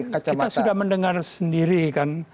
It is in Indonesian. kita sudah mendengar sendiri kan